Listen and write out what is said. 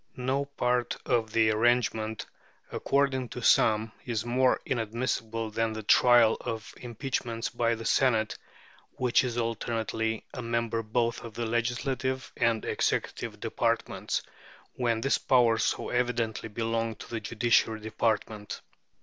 No part of the arrangement, according to some, is more inadmissible than the trial of impeachments by the Senate, which is alternately a member both of the legislative and executive departments, when this power so evidently belonged to the judiciary department.